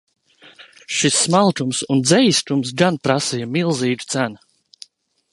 Šis smalkums un dzejiskums gan prasīja milzīgu cenu.